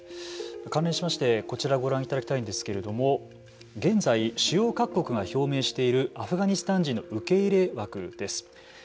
関連しましてこちらご覧いただきたいんですけれども現在、主要各国が表明しているアフガニスタン人の受け入れ枠です。